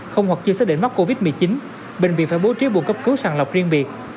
không hoặc chưa xác định mắc covid một mươi chín bệnh viện phải bố trí bộ cấp cứu sàng lọc riêng biệt